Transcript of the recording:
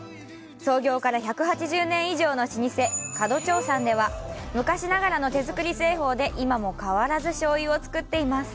創業から１８０年以上の老舗、角長さんでは、昔ながらの手作り製法で今も変わらずしょうゆを作っています。